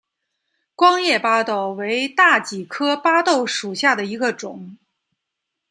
光叶巴豆为大戟科巴豆属下的一个种。